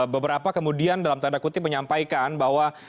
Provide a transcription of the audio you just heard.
beberapa kemudian dalam tanda kutip menyampaikan bahwa